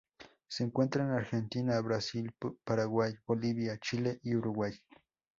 Se encuentra en Argentina, Brasil, Paraguay, Bolivia, Chile y Uruguay.